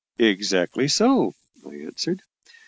"Exactly so," I answered.